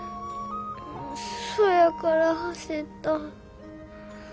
そやから走った。